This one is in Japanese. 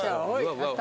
やった。